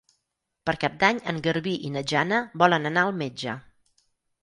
Per Cap d'Any en Garbí i na Jana volen anar al metge.